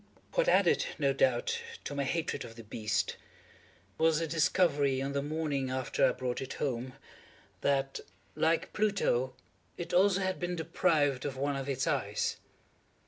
What added, no doubt, to my hatred of the beast, was the discovery, on the morning after I brought it home, that, like Pluto, it also had been deprived of one of its eyes.